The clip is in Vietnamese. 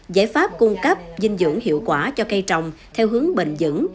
giải pháp cung cấp dinh dưỡng hiệu quả cho cây trồng theo hướng bền dẫn